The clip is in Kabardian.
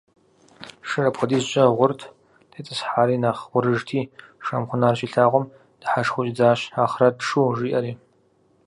Шыр апхуэдизкӀэ гъурт, тетӀысхьари нэхъ гъурыжти, Шамхьун ар щилъагъум, дыхьэшхыу щӀидзащ, «Ахърэт шу» жиӀэри.